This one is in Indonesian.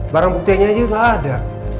barang buktinya aja nggak ada